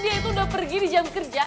karena dia itu udah pergi di jam kerja